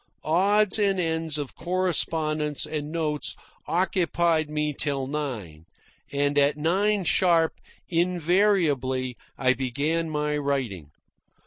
Odds and ends of correspondence and notes occupied me till nine, and at nine sharp, invariably, I began my writing.